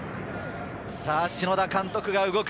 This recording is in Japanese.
篠田監督が動く。